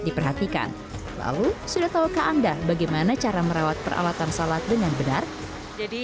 diperhatikan lalu sudah tahukah anda bagaimana cara merawat peralatan salat dengan benar jadi